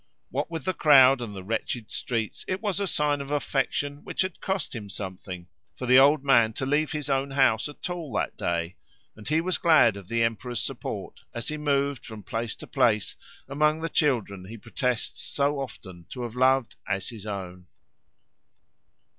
What with the crowd, and the wretched streets, it was a sign of affection which had cost him something, for the old man to leave his own house at all that day; and he was glad of the emperor's support, as he moved from place to place among the children he protests so often to have loved as his own.